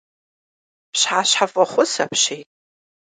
Пщыхьэщхьэфӏохъу апщий!